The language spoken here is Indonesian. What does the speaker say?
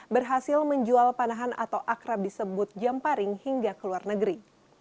berhasil menjual panahan atau akrab disebut jamparing hingga ke luar negeri